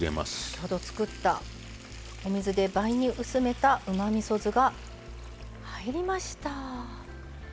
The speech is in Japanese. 先ほど作ったお水で倍に薄めたうまみそ酢が入りました。